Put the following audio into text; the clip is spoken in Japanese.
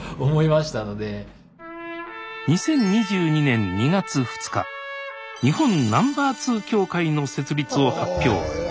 ２０２２年２月２日日本Ｎｏ．２協会の設立を発表。